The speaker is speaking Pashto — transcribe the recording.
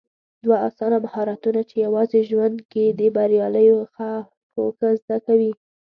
دوه اسانه مهارتونه چې يوازې ژوند کې د برياليو خلکو ښه زده دي